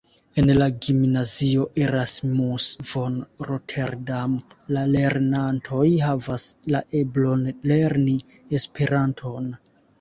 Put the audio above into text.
En la gimnazio Erasmus-von-Rotterdam la lernantoj havas la eblon lerni Esperanton.